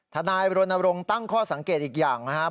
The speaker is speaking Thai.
ธนายโรนโรงตั้งข้อสังเกตอีกอย่างนะฮะ